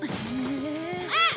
あっ！